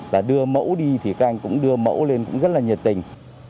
là đưa mẫu đi thì các anh cũng đưa mẫu lên cũng rất là nhiệt tình